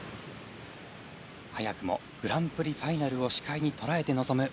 早くもグランプリファイナルを視界に捉えて臨む